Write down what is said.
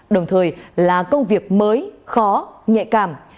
đồng thời là công việc mới khó nhẹ cảm